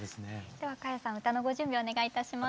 では花耶さん歌のご準備お願いいたします。